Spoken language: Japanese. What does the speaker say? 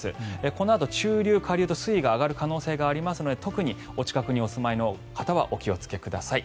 このあと、中流下流と水位が上がる可能性がありますので特にお近くにお住まいの方はお気をつけください。